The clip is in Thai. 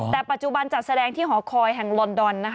แต่ปัจจุบันจัดแสดงที่หอคอยแห่งลอนดอนนะคะ